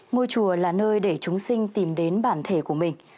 ngôi chùa là nơi để chúng sinh tìm đến bản thể của mình